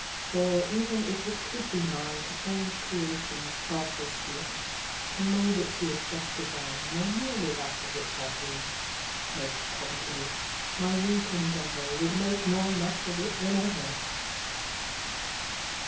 For even if it could be mine To change Creation's partial scheme, To mould it to a fresh design, More nearly that of which I dream, Most probably, my weak endeavour Would make more mess of it than ever!